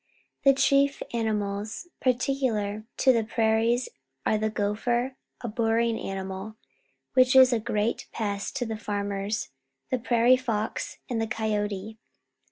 A Black Bear The chief animals peculiar to the prairies are the gopher, a burrowing animal wliich is a iii:reat pest to the farmers, the prairie fox, and the coyote.